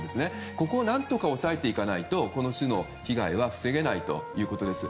ここを何とか抑えていかないとこの種の被害は防げないということです。